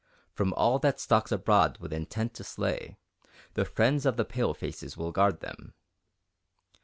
From all that stalks abroad with intent to slay, the friends of the palefaces will guard them.